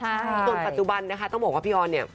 ส่วนปัจจุบันนะคะต้องบอกว่าพี่ออนเนี่ย